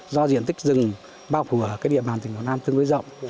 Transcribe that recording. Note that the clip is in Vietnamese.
do diện tích rừng bao phủ ở cái địa bàn tỉnh hồ nam tương đối rộng